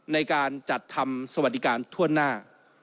ในการจัดทำสวัสดิการทั่วหน้า